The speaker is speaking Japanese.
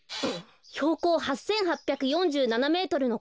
ひょうこう８８４７メートルのこうざん